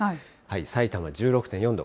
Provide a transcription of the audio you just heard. さいたま１６．４度。